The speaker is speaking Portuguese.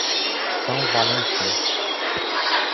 São Valentim